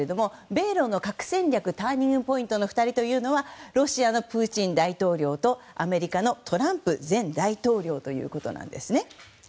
米露の核戦略ターニングポイントの２人というのはロシアのプーチン大統領とアメリカのトランプ前大統領ということです。